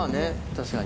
確かに。